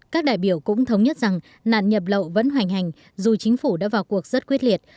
các đại biểu cũng thống nhất rằng nạn nhập lậu vẫn hoành hành dù chính phủ đã vào cuộc rất quyết liệt